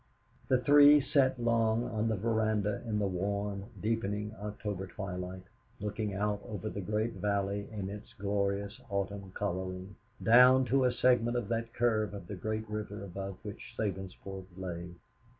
The three sat long on the veranda in the warm, deepening, October twilight, looking out over the great valley in its glorious autumn coloring, down to a segment of that curve of the great river above which Sabinsport lay.